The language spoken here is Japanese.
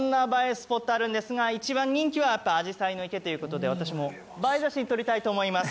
スポットあるんですが一番人気は、やっぱ、あじさいの池ということで私も映え写真撮りたいと思います。